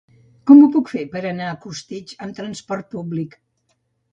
Com ho puc fer per anar a Costitx amb transport públic?